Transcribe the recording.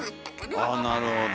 ああなるほど。